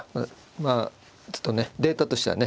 まあちょっとねデータとしてはね